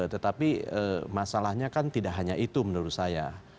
tetapi masalahnya kan tidak hanya itu menurut saya